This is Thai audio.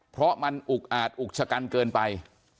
เพราะมันอุกอาจอุกชะกันเกินไป